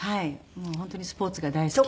もう本当にスポーツが大好きで。